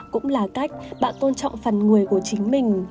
cũng là cách bạn tôn trọng phần người của chính mình